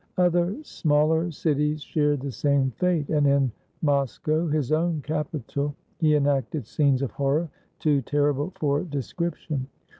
Other smaller cities shared the same fate; and in Mos cow, his own capital, he enacted scenes of horror too ter rible for description.